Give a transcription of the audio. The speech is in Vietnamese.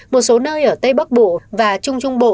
một số nơi ở tây bắc bộ và trung trung bộ